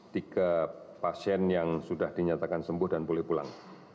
tiga pasien yang sudah dinyatakan sembuh dan boleh pulang